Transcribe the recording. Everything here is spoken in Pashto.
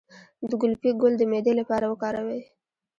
د ګلپي ګل د معدې لپاره وکاروئ